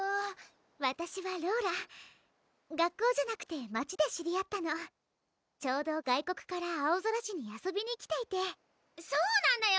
わたしはローラ学校じゃなくて町で知り合ったのちょうど外国からあおぞら市に遊びに来ていてそうなんだよ